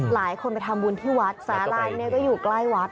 หลายคนไปทำบุญที่วัดสาลานเนี่ยก็อยู่ใกล้วัด